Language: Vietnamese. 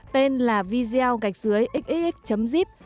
tên là video gạch dưới xxx zip